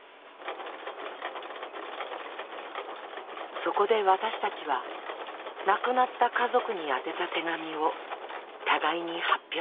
そこで私たちは亡くなった家族に宛てた手紙を互いに発表しました。